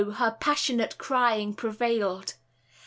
her passionate Crying prevailed.